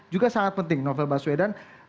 juga sangat penting novel baswedan